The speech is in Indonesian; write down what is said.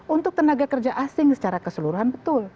untuk tenaga kerja asing secara keseluruhan betul